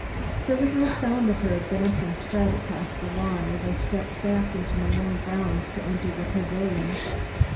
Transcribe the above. There was no sound of her advancing tread across the lawn as I stepped back into my own grounds to enter the pavilion.